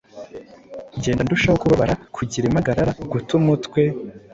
Ngenda ndushaho kubabara, kugira impagarara, guta umutwe